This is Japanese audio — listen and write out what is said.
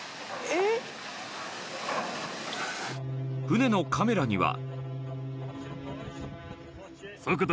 ［船のカメラには］